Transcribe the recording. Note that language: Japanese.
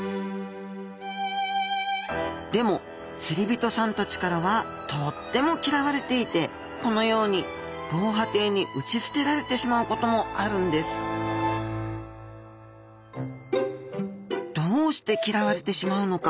でも釣り人さんたちからはとっても嫌われていてこのように防波堤に打ち捨てられてしまうこともあるんですどうして嫌われてしまうのか？